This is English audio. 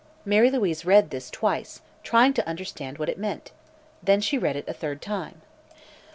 Mary Louise read this twice, trying to understand what it meant. Then she read it a third time.